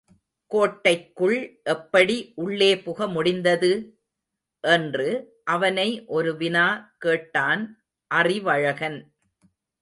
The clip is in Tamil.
கோட்டைக்குள் எப்படி உள்ளே புகமுடிந்தது? என்று அவனை ஒரு வினா கேட்டான் அறிவழகன்.